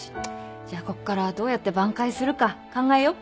じゃあこっからどうやって挽回するか考えよう